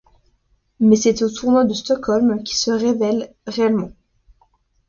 Mais c'est au tournoi de Stockholm qu'il se révèle réellement.